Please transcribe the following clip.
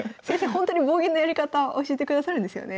ほんとに棒銀のやり方教えてくださるんですよね？